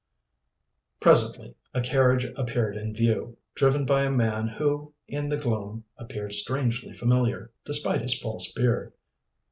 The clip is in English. Presently a carriage appeared in view, driven by a man who, in the gloom, appeared strangely familiar, despite his false beard.